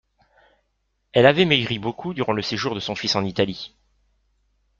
Elle avait maigri beaucoup durant le séjour de son fils en Italie.